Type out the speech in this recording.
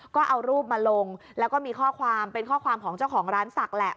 ก็เอารูปมาลงแล้วก็มีข้อความเป็นข้อความของเจ้าของร้านศักดิ์แหละ